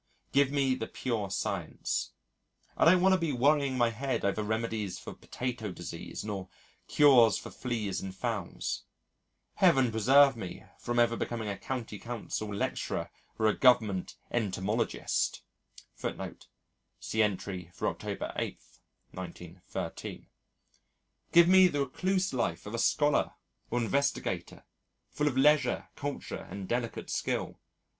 Give me the pure science. I don't want to be worrying my head over remedies for potato disease nor cures for fleas in fowls. Heaven preserve me from ever becoming a County Council lecturer or a Government Entomologist!... Give me the recluse life of a scholar or investigator, full of leisure, culture, and delicate skill.